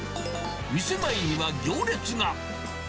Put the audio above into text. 店前には行列が。